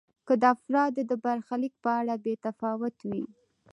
که د افرادو د برخلیک په اړه بې تفاوت وي.